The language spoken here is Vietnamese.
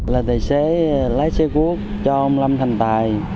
là tài xế lái xe quốc cho ông lâm thành tài